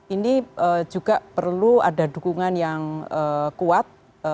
ini juga perlu ada dukungan yang kuat